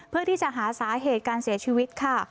เพื่อที่จะหาสาเหตุการเสียชีวิตค่ะ